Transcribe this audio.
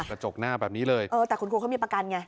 กระจกหน้าแบบนี้เลยเออแต่คุณครูเขามีประกันไง